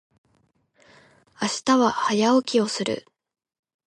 明日は早起きをする。